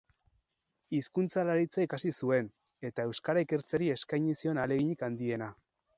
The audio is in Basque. Hizkuntzalaritza ikasi zuen, eta euskara ikertzeari eskaini zion ahaleginik handiena.